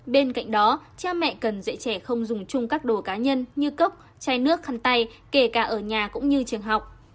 bên cạnh đó cha mẹ cần dạy trẻ không dùng chung các đồ cá nhân như cốc chai nước khăn tay kể cả ở nhà cũng như trường học